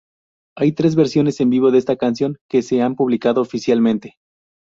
Hay tres versiones en vivo de esta canción que se han publicado oficialmente.